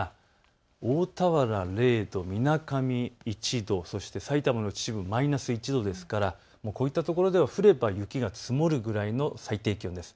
大田原０度、みなかみ１度、そして埼玉の秩父マイナス１度ですからこういったところでは降れば雪が積もるぐらいの最低気温です。